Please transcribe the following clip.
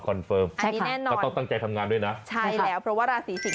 ก็เลยมีโอกาสว่าอาจจะได้ลาบมาแบบพลุกด้วยสำหรับราศีสิง